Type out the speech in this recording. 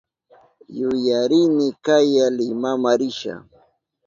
Yuyarini kaya Limama risha.